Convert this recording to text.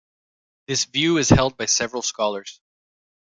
This view is held by several scholars.